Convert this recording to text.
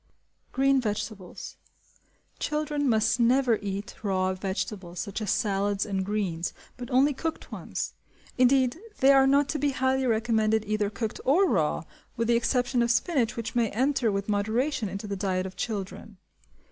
Green Vegetables. Children must never eat raw vegetables, such as salads and greens, but only cooked ones; indeed they are not to be highly recommended either cooked or raw, with the exception of spinach which may enter with moderation into the diet of children.